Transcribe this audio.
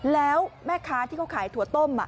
แล้วแม่ค้าที่เขาขายถั่วต้ม